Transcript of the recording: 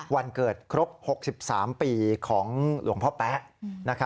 วันเกิดครบ๖๓ปีของหลวงพ่อแป๊ะ